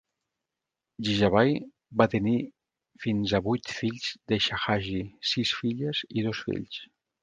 Jijabai va tenir fins a vuit fills de Shahaji, sis filles i dos fills.